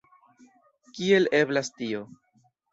Kiel eblas tio?